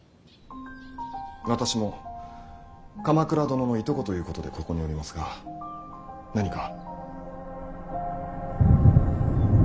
私も鎌倉殿のいとこということでここにおりますが何か。